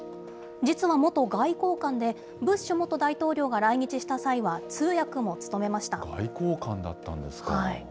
実は元外交官で、ブッシュ元大統領が来日した際には通訳も務めました。